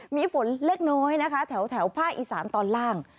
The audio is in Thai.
มีฝนเล็กน้อยนะคะแถวภาคอีสานตอนล่าง